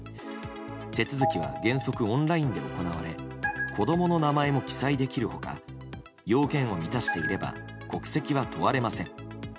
手続きは原則オンラインで行われ子供の名前も記載できる他要件を満たしていれば国籍は問われません。